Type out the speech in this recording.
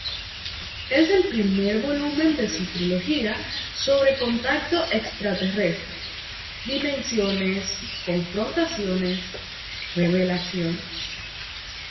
Es el primer volumen de su trilogía sobre contacto extraterrestre: "Dimensiones", "Confrontaciones", "Revelaciones".